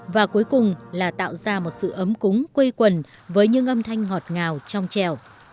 và cuối cùng là tạo ra một sự ấm cúng quây quần với những âm thanh ngọt ngào trong trèo